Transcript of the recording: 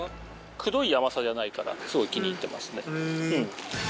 くどい甘さじゃないからすごい気に入ってますね。